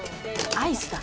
アイスだ。